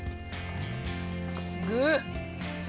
グー！